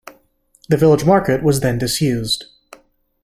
The village market was then disused.